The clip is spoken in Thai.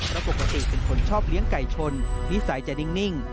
เพราะปกติเป็นคนชอบเลี้ยงไก่ชนนิสัยจะนิ่ง